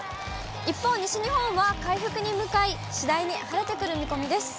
一方、西日本は回復に向かい、次第に晴れてくる見込みです。